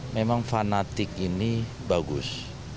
memang fanatik ini bagus